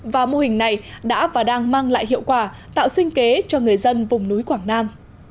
và mô hình này đã và đang mang lại hiệu quả tạo sinh kế cho người dân vùng núi quảng nam